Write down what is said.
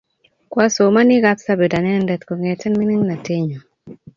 Kwasomane Kapsabet anendet kong'ete ming'inatenyu